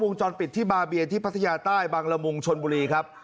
จรปิดที่บาเบียที่พัทยาใต้บังละมุงชนบุรีครับ